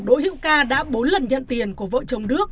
đỗ hiệu ca đã bốn lần nhận tiền của vợ chồng đước